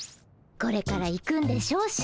これから行くんでしょう？